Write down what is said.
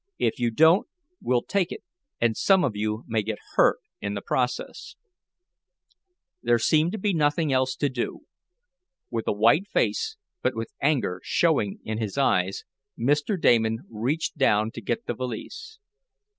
"If you don't, we'll take it and some of you may get hurt in the process." There seemed nothing else to do. With a white face, but with anger showing in his eyes Mr. Damon reached down to get the valise.